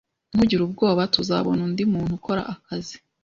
Ntugire ubwoba. Tuzabona undi muntu ukora akazi.